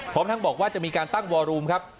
พร้อมทั้งบอกว่าจะมีการตั้งวอรูมครับ